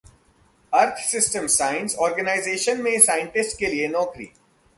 अर्थ system science organisation में scientist के लिए नौकरी